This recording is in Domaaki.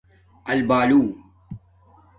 آلبالُو